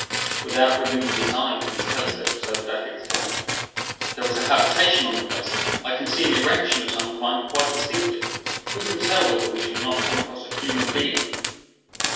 Without removing his eye from his telescope, Servadac exclaimed: "There is a habitation on the place; I can see an erection of some kind quite distinctly. Who can tell whether we shall not come across a human being?"